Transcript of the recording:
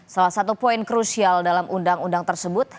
salah satu poin krusial dalam undang undang tersebut